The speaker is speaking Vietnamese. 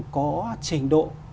có trình độ